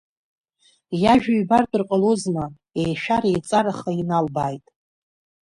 Иажәа ҩбартәыр ҟалозма, еишәара-еиҵараха иналбааит.